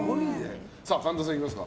神田さん、いきますか。